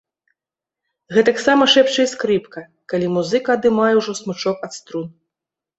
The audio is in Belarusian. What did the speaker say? Гэтаксама шэпча і скрыпка, калі музыка адымае ўжо смычок ад струн.